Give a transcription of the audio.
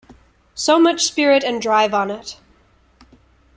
So much spirit and drive on it.